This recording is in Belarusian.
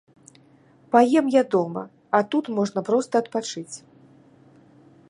Паем я дома, а тут можна проста адпачыць.